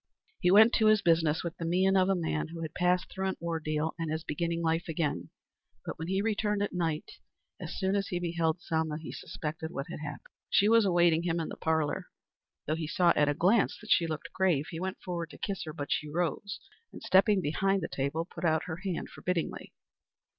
He went to his business with the mien of a man who had passed through an ordeal and is beginning life again; but when he returned at night, as soon as he beheld Selma, he suspected what had happened. She was awaiting him in the parlor. Though he saw at a glance that she looked grave, he went forward to kiss her, but she rose and, stepping behind the table, put out her hand forbiddingly.